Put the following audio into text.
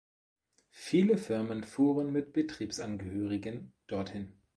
Viele Firmen fuhren mit Betriebsangehörigen dorthin.